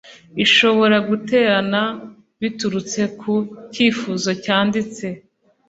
ishobora guterana biturutse ku cyifuzo cyanditse